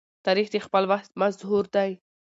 تاریخ د خپل وخت مظهور دی.